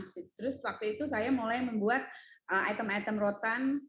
terus waktu itu saya mulai membuat item item rotan